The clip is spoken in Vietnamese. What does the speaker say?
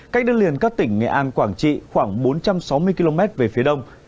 cách đất liền các tỉnh nghệ an quảng trị khoảng bốn trăm sáu mươi km về phía đông